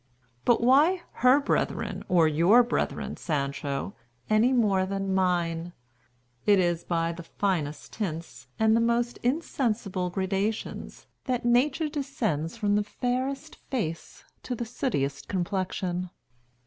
But why her brethren or your brethren, Sancho, any more than mine? It is by the finest tints, and the most insensible gradations, that nature descends from the fairest face to the sootiest complexion.